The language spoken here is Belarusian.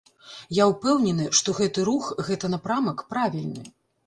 Я ўпэўнены, што гэты рух, гэты напрамак правільны.